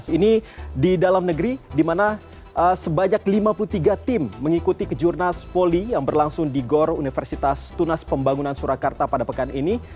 ini di dalam negeri di mana sebanyak lima puluh tiga tim mengikuti kejurnas voli yang berlangsung di gor universitas tunas pembangunan surakarta pada pekan ini